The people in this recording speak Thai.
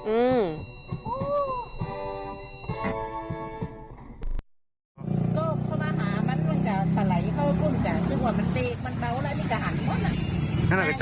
อือ